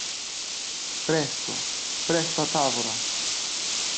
Presto, presto a tavola!